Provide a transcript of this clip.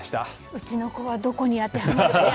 うちの子はどこに当てはまるのかな。